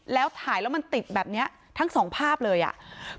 แล้วถ่ายแล้วมันติดแบบเนี้ยทั้งสองภาพเลยอ่ะ